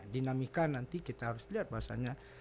dinamika nanti kita harus lihat bahwasannya